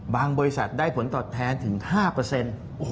บางบริษัทได้ผลตอบแทนถึง๕